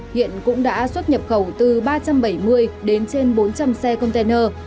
hiện cũng đã xuất nhập khẩu từ ba trăm bảy mươi đến trên bốn trăm linh xe container